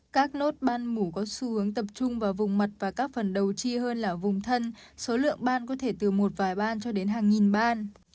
các nốt ban mũ có xu hướng tập trung vào vùng mật và các phần đầu chi hơn là ở vùng thân số lượng ban có thể từ một vài ban cho đến hàng nghìn ban